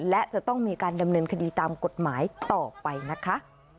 และจะต้องมีการดำเนินคดีตามกฎหมายต่อไปนะคะ